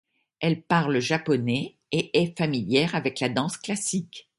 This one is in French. Elle parle japonais et est familière avec la danse classique.